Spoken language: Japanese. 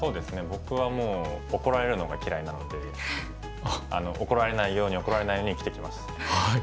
僕はもう怒られるのが嫌いなので怒られないように怒られないように生きてきました。